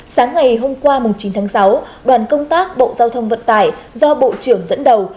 sáng ngày hôm qua chín tháng sáu đoàn công tác bộ giao thông vận tải do bộ trưởng dẫn đầu